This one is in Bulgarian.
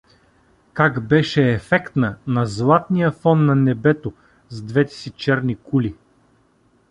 Как беше ефектна на златния фон на небето с двете си черни кули!